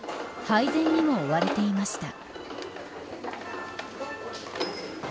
配膳にも追われていました。